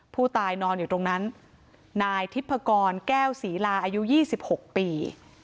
ผู้ตายนอนอยู่ตรงนั้นนายทิพกรแก้วศรีลาอายุ๒๖ปี